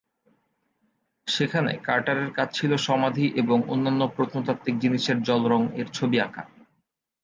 সেখানে কার্টারের কাজ ছিল সমাধি এবং অন্যান্য প্রত্নতাত্ত্বিক জিনিসের জল রং এর ছবি আঁকা।